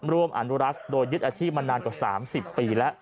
ร่วมอนุรักษ์โดยยึดอาชีพมานานกว่า๓๐ปีแล้ว